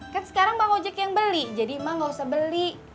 kan sekarang bang ojak yang beli jadi mak gak usah beli